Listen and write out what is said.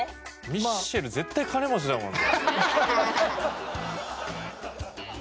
ミッシェル絶対金持ちだもん。